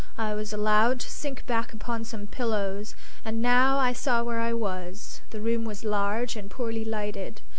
I was allowed to sink back upon some pillows. And now I saw where I was. The room was large and poorly lighted.